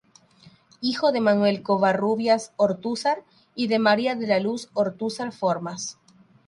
Hijo de Manuel Covarrubias Ortúzar y de María de la Luz Ortúzar Formas.